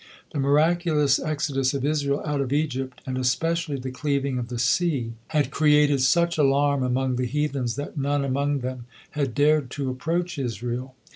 The miraculous exodus of Israel out of Egypt, and especially the cleaving of the sea, had created such alarm among the heathens, that none among them had dared to approach Israel.